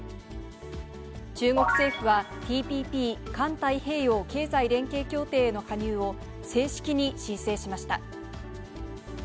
中国政府は、ＴＰＰ・環太平洋経済連携協定への加入を正式に申請しました。